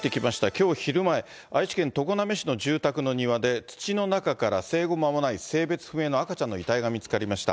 きょう昼前、愛知県常滑市の住宅の庭で、土の中から生後間もない性別不明の赤ちゃんの遺体が見つかりました。